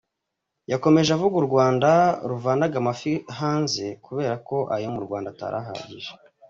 Yakomeje avuga u Rwanda ruvanaga amafi hanze kubera ko ayo mu Rwanda atari ahagije.